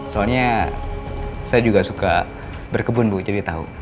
soalnya saya juga suka berkebun bu jadi tahu